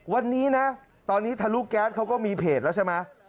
วันนี้นะตอนนี้ทะลุแก๊สเขาก็มีเพจแล้วใช่ไหม